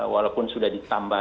walaupun sudah ditambah